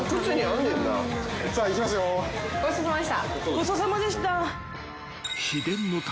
ごちそうさまでした。